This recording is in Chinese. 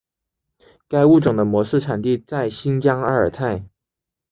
该物种的模式产地在新疆阿尔泰。